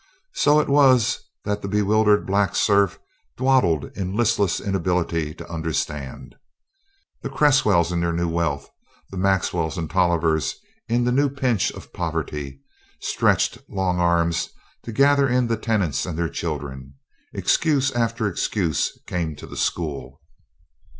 So it was that the bewildered black serf dawdled in listless inability to understand. The Cresswells in their new wealth, the Maxwells and Tollivers in the new pinch of poverty, stretched long arms to gather in the tenants and their children. Excuse after excuse came to the school.